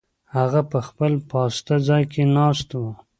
هغه په خپل پاسته ځای کې ناست و.